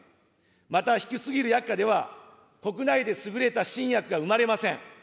また低すぎる薬価では、国内で優れた新薬が生まれません。